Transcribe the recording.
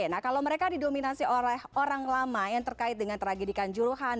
nah kalau mereka didominasi oleh orang lama yang terkait dengan tragedikan juruhan